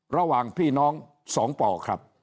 ระหว่างพี่น้อง๒ป่อครับ